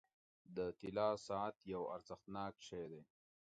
• د طلا ساعت یو ارزښتناک شی دی.